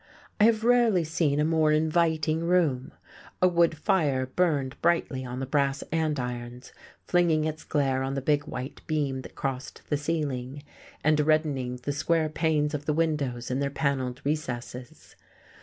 I have rarely seen a more inviting room. A wood fire burned brightly on the brass andirons, flinging its glare on the big, white beam that crossed the ceiling, and reddening the square panes of the windows in their panelled recesses.